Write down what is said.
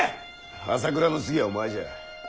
朝倉の次はお前じゃ。